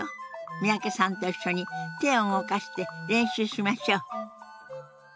三宅さんと一緒に手を動かして練習しましょう。